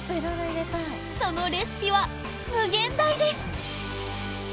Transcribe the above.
そのレシピは無限大です。